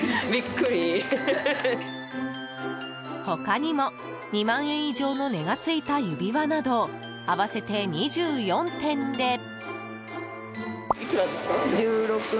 他にも２万円以上の値がついた指輪など、合わせて２４点で。